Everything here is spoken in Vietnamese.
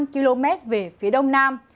một trăm linh km về phía đông nam